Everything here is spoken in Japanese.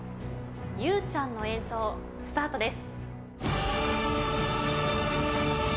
ゆうちゃんの演奏スタートです。